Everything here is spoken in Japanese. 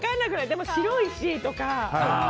でも白いしとか。